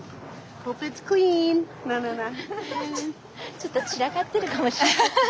ちょっと散らかってるかもしれないけど。